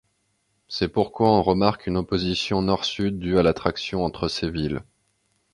C'est pourquoi on remarque une opposition Nord-Sud due à l'attraction entre ces villes.